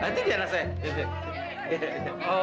ntar sunjukin mukanya si luki ya